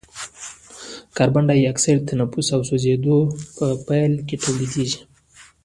کاربن ډای اکساید د تنفس او سوځیدو په پایله کې تولیدیږي.